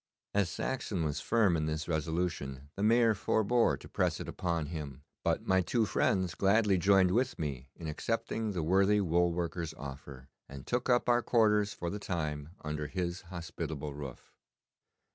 As Saxon was firm in this resolution the Mayor forbore to press it upon him, but my two friends gladly joined with me in accepting the worthy wool worker's offer, and took up our quarters for the time under his hospitable roof.